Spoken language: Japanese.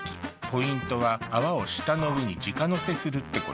ポイントは泡を舌の上に直のせするってこと。